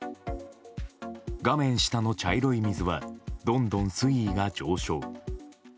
画面下の茶色い水はどんどん水位が上昇。